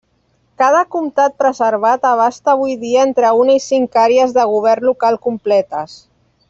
Cada comtat preservat abasta avui dia entre una i cinc àrees de govern local completes.